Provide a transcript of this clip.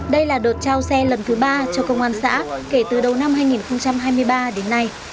đây là đợt trao xe lần thứ ba cho công an xã kể từ đầu năm hai nghìn hai mươi ba đến nay